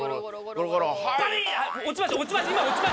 今落ちました。